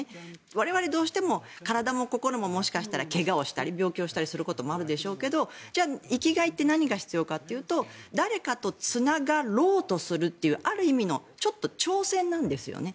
我々、どうしても体も心ももしかしたら怪我をしたり病気をしたりすることもあるでしょうけどじゃあ生きがいって何が必要かというと誰かとつながろうとするというある意味のちょっと挑戦なんですよね。